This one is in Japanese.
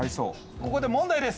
ここで問題です。